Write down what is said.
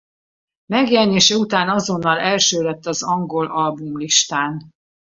Megjelenése után azonnal első lett az angol albumlistán.